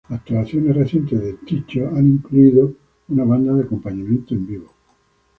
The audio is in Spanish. Actuaciones recientes de Tycho han incluido de una banda de acompañamiento en vivo.